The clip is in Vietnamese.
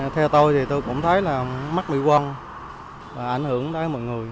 theo tôi thì tôi cũng thấy là mắc bị quăng và ảnh hưởng tới mọi người